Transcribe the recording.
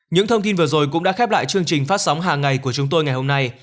những thông tin vừa rồi cũng đã khép lại chương trình phát sóng hàng ngày của chúng tôi ngày hôm nay